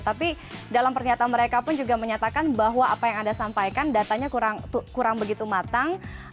tapi dalam pernyataan mereka pun juga menyatakan bahwa apa yang anda sampaikan datanya kurang begitu matang